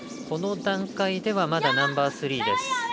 この段階ではまだナンバースリーです。